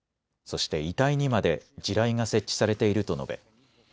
そして遺体にまで地雷が設置されていると述べ